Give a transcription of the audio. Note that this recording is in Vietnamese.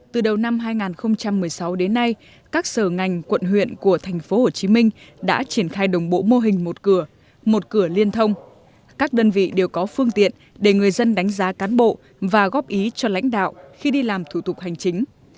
từ đầu năm hai nghìn một mươi sáu đến nay các sở ngành quận huyện của tp hcm đã triển khai đồng bộ mô hình một cửa một cửa liên thông các đơn vị đều có phương tiện để người dân đánh giá cán bộ và góp ý cho lãnh đạo khi đi làm thủ tục hành chính